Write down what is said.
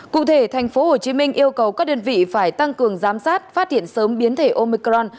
cụ thể tp hcm yêu cầu các đơn vị phải tăng cường giám sát phát hiện sớm biến thể omicron